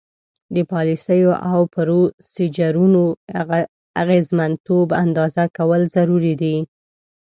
د پالیسیو او پروسیجرونو اغیزمنتوب اندازه کول ضروري دي.